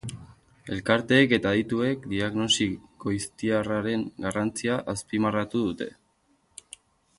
Elkarteek eta adituek diagnosi goiztiarraren garrantzia azpimarratu dute.